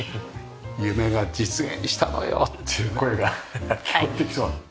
夢が実現したのよ！っていう声が聞こえてきそう。